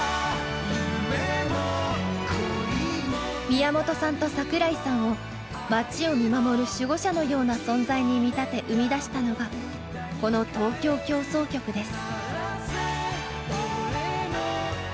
宮本さんと櫻井さんを街を見守る守護者のような存在に見立て生み出したのがこの「東京協奏曲」です。